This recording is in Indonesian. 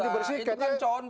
itu kan contoh